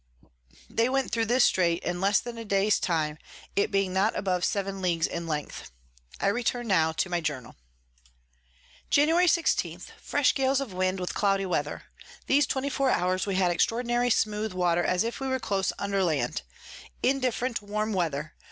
They went thro this Strait in less than a day's time, it being not above 7 Leagues in length. I return now to my Journal. Jan. 16. Fresh Gales of Wind with cloudy Weather. These 24 hours we had extraordinary smooth Water, as if we were close under Land: Indifferent warm Weather.